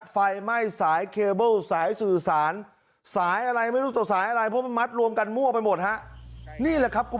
ไฟไม้สายเคบัลสายสื่อสาร